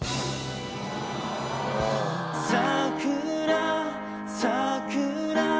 「さくらさくら